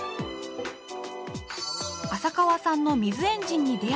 浅川さんの水エンジンに出会い